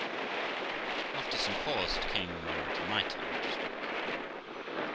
After some pause, it came to my turn to speak.